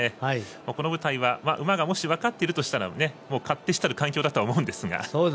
この舞台は、馬がもし分かっているとしたら勝手知ったる環境だと思うんですが。